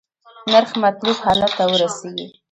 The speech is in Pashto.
نرخ مطلوب حالت ته ورسیږي.